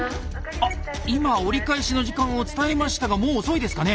あっ今折り返しの時間を伝えましたがもう遅いですかね？